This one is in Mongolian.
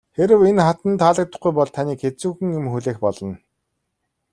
Хэрэв энэ хатанд таалагдахгүй бол таныг хэцүүхэн юм хүлээх болно.